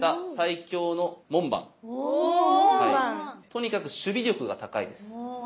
とにかく守備力が高いです。